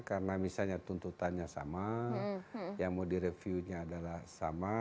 karena misalnya tuntutannya sama yang mau direviewnya adalah sama